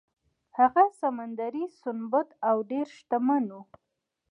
هغه سمندري سنباد و او ډیر شتمن و.